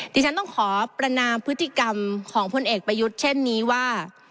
ที่ฉันต้องขอประนามพฤติกรรมของพลเอกประยุทธ์เช่นนี้ว่า